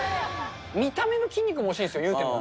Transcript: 見た目の筋肉も欲しいんですよ、言うても。